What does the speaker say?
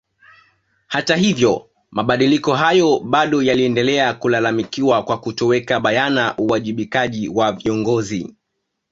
Hata hivyo mabadiliko hayo bado yaliendelea kulalamikiwa kwa kutoweka bayana uwajibikaji wa viongozi